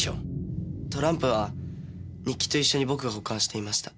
トランプは日記と一緒に僕が保管していました。